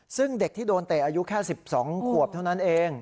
ซึ่งเด็กที่โดนเตะอายุแค่๑๒ขวบเท่านั้นเอง